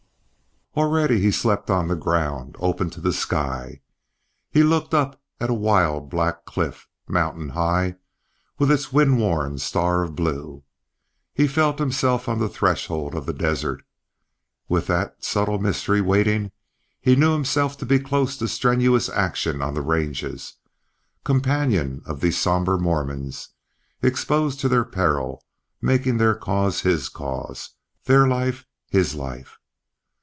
Already he slept on the ground, open to the sky. He looked up at a wild black cliff, mountain high, with its windworn star of blue; he felt himself on the threshold of the desert, with that subtle mystery waiting; he knew himself to be close to strenuous action on the ranges, companion of these sombre Mormons, exposed to their peril, making their cause his cause, their life his life.